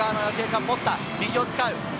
右を使う。